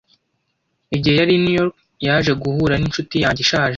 Igihe nari i New York, naje guhura n'inshuti yanjye ishaje.